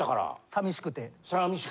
寂しくて。